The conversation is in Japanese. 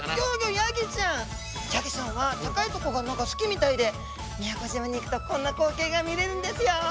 ヤギちゃんは高いとこが何か好きみたいで宮古島に行くとこんな光景が見れるんですよ！